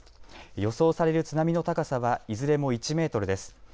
予想される津波の高さはいずれも１メートルです。